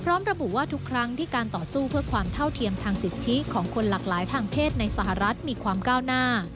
ระบุว่าทุกครั้งที่การต่อสู้เพื่อความเท่าเทียมทางสิทธิของคนหลากหลายทางเพศในสหรัฐมีความก้าวหน้า